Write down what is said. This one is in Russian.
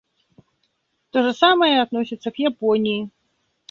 То же самое относится к Японии.